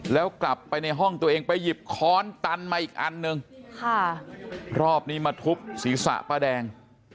แล้วกลับไปในห้องตัวเองไปหยิบค้อนตันมาอีกอันนึงค่ะรอบนี้มาทุบศีรษะป้าแดง